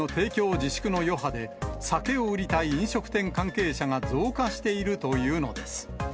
自粛の余波で、酒を売りたい飲食店関係者が増加しているというのです。